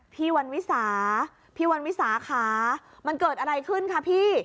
พี่วันวิสาพี่วันวิสาขามันเกิดอะไรขึ้นคะพี่